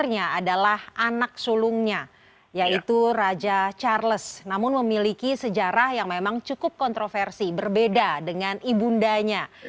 yang terakhir adalah anak sulungnya yaitu raja charles namun memiliki sejarah yang memang cukup kontroversi berbeda dengan ibundanya